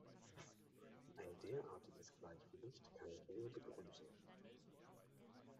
Ein derartiges Gleichgewicht kann ich nur begrüßen.